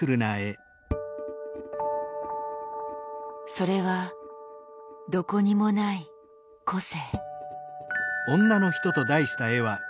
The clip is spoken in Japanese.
それはどこにもない個性。